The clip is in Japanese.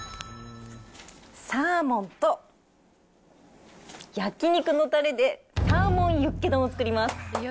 サーモンと焼き肉のたれでサーモンユッケ丼を作ります。